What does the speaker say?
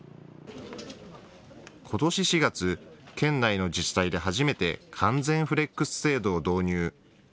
ことし４月、県内の自治体で初めて完全フレックス制度を導入。